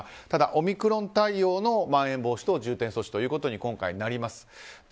ただオミクロン対応のまん延防止等重点措置ということに今回なります。